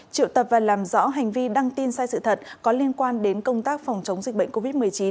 triệu tập và làm rõ hành vi đăng tin sai sự thật có liên quan đến công tác phòng chống dịch bệnh covid một mươi chín